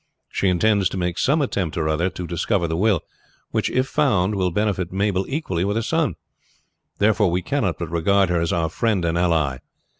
She intends to make some attempt or other to discover the will, which, if found, will benefit Mabel equally with her son. Therefore we cannot but regard her as our friend and ally.